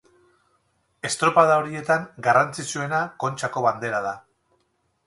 Estropada horietan garrantzitsuena Kontxako Bandera da.